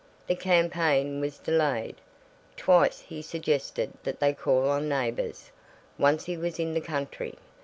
The campaign was delayed. Twice he suggested that they call on neighbors; once he was in the country.